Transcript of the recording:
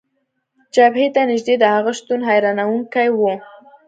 جبهې ته نژدې د هغه شتون، حیرانونکی و.